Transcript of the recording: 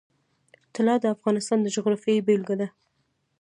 طلا د افغانستان د جغرافیې بېلګه ده.